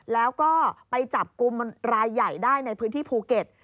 แล้วก็ไปจับกลุ่มรายใหญ่ได้ในพื้นที่ภูเก็ต